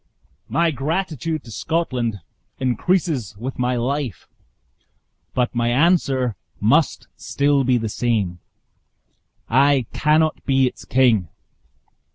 "My gratitude to Scotland increases with my life; but my answer must still be the same I cannot be its king."